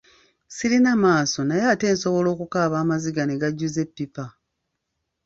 Sirina maaso naye ate nsobola okukaaba amaziga ne gajjuza eppipa.